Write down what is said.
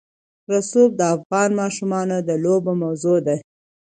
رسوب د افغان ماشومانو د لوبو موضوع ده.